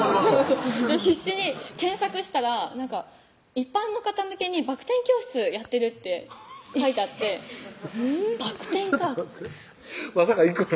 必死に検索したら一般の方向けにバク転教室やってるって書いてあってバク転かとちょっと待ってまさか行くの？